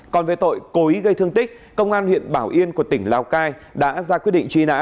còn về tội cố ý gây thương tích công an huyện bảo yên của tỉnh lào cai đã ra quyết định truy nã